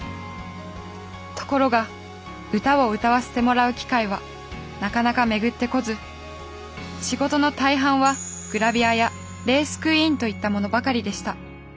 ところが歌を歌わせてもらう機会はなかなか巡ってこず仕事の大半はグラビアやレースクイーンといったものばかりでした。